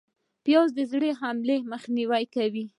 پیاز د زړه حملې مخه نیسي